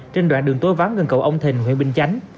trên đoạn đường tối ván gần cầu ông thình huyện bình chánh